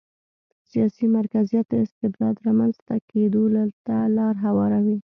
سیاسي مرکزیت د استبداد رامنځته کېدو ته لار هواروي.